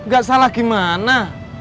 gak salah gimana